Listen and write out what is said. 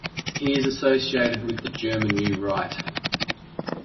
He is associated with the German New Right.